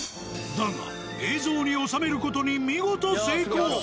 だが映像に収める事に見事成功。